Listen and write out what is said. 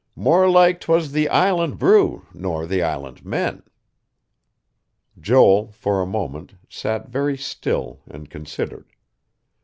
"More like 'twas the island brew nor the island men." Joel, for a moment, sat very still and considered.